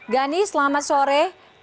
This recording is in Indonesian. gani selamat sore